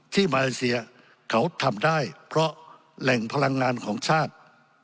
มาเลเซียเขาทำได้เพราะแหล่งพลังงานของชาติ